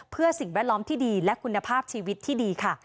เพื่อสิ่งแวดล้อมที่ดีและคุณภาพชีวิตที่ดีค่ะ